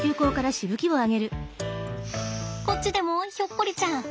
こっちでもひょっこりちゃん。